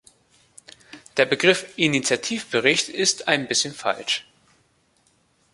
Der Begriff Initiativbericht ist ein bisschen falsch.